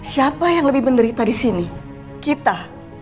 siapa yang lebih menderita di sini kita